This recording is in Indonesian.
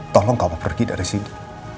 tolong kamu pergi dari sini